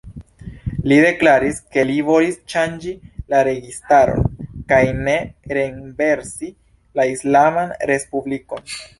Li deklaris, ke li volis ŝanĝi la registaron, kaj ne renversi la islaman respublikon.